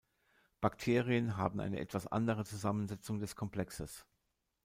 Bakterien haben eine etwas andere Zusammensetzung des Komplexes.